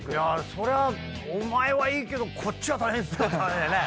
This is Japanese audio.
それはお前はいいけどこっちは大変っすよって。